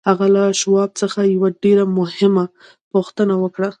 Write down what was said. هغه له شواب څخه یوه ډېره مهمه پوښتنه وکړه